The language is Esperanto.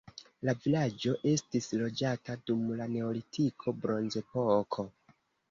La vilaĝo estis loĝata dum la neolitiko bronzepoko.